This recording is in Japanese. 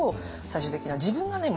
最終的には自分がね